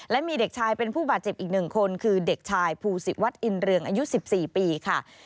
และมีเด็กชายเป็นผู้บาดเจ็บอีก๑คนคือเด็กชายภูศิวัฒนอินเรืองอายุ๑๔ปีค่ะ